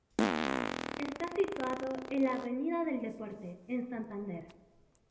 Está situado en la avenida del Deporte, en Santander.